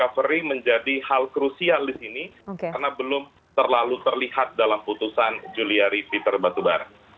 jadi aset recovery menjadi hal krusial di sini karena belum terlalu terlihat dalam putusan juliari peter batubara